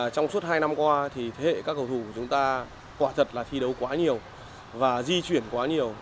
trong suốt hai năm qua thì thế hệ các cầu thủ của chúng ta quả thật là thi đấu quá nhiều và di chuyển quá nhiều